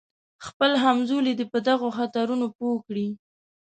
خپل همزولي دې په دغو خطرونو پوه کړي.